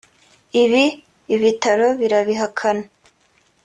Ibi ibitaro birabihakana